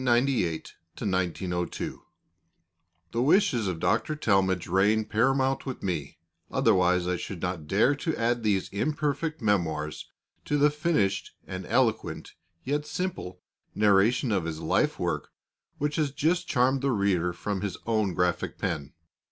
T. DEWITT TALMAGE 1898 1902 The wishes of Doctor Talmage reign paramount with me; otherwise I should not dare to add these imperfect memoirs to the finished and eloquent, yet simple, narration of his life work which has just charmed the reader from his own graphic pen.